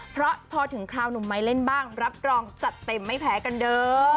เพราะพอถึงคราวหนุ่มไม้เล่นบ้างรับรองจัดเต็มไม่แพ้กันเด้อ